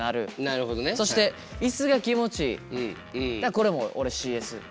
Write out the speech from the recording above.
これも俺ＣＳ。